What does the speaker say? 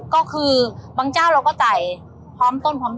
ก็คือบางเจ้าเราก็จ่ายพร้อมต้นพร้อม